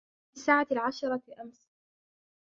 هي نامت في الساعة العاشرة أمس.